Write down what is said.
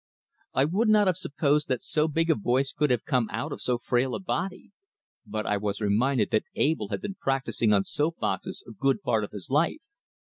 I would not have supposed that so big a voice could have come out of so frail a body; but I was reminded that Abell had been practicing on soap boxes a good part of his life.